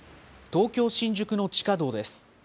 東京・新宿の地下道です。